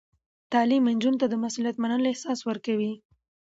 تعلیم نجونو ته د مسؤلیت منلو احساس ورکوي.